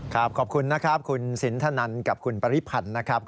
ขอบคุณนะครับคุณสินทนันกับคุณปริพันธ์นะครับ